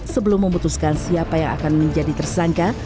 sebelum memutuskan siapa yang akan menjadi tersangka